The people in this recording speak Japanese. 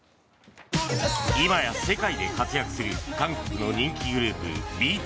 今や世界で活躍する韓国の人気グループ、ＢＴＳ。